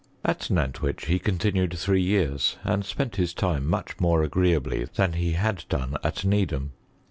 Ai Nant wich he continued three jeara, and spent his time much more agreeably than he had doneat Needham.